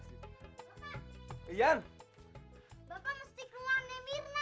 iya bapak mesti keluar nih mirna